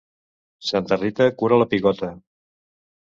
Santa Rita cura la pigota.